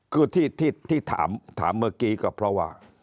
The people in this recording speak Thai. คือที่ถามเมื่อกี้ก็เพราะว่า